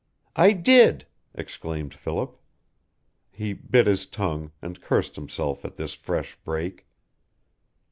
"I did!" exclaimed Philip. He bit his tongue, and cursed himself at this fresh break.